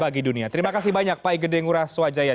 bagi dunia terima kasih banyak pak igede nguraswajaya